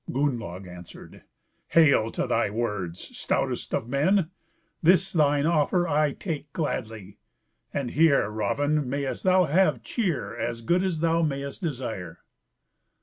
Gunnlaug answered, "Hail to thy words, stoutest of men! this thine offer I take gladly; and here, Raven, mayest thou have cheer as good as thou mayest desire."